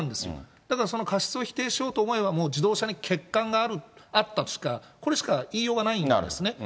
ただその過失を否定しようと思えば、もう自動車に欠陥があったとしか、これしか言いようがないんですね。